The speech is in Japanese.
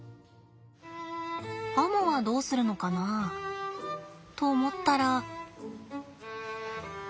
アモはどうするのかな？と思ったら。